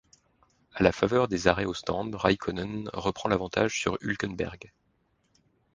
À la faveur des arrêts aux stands, Räikkönen reprend l'avantage sur Hülkenberg.